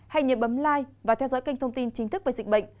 hãy nhớ bấm like và theo dõi kênh thông tin chính thức về dịch bệnh